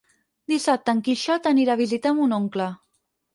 Dissabte en Quixot anirà a visitar mon oncle.